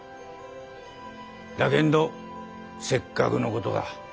だけんどせっかくのことだ。